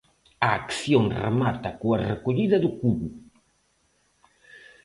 A acción remata coa recollida do cubo.